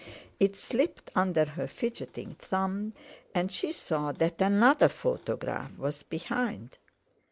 It slipped under her fidgeting thumb, and she saw that another photograph was behind.